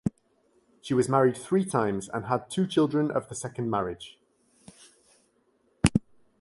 She was married three times and had two children of the second marriage.